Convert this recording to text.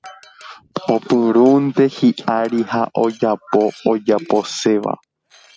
Opyrũnte hiʼári ha ojapo ojaposéva.